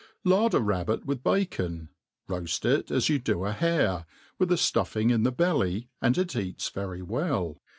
LARD a rabbit with b^cop | roaji it as you do a hare, wfth fi ftufing in the belly, and it eats ytry well.